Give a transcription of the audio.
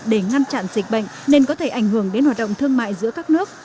để ngăn chặn dịch bệnh nên có thể ảnh hưởng đến hoạt động thương mại giữa các nước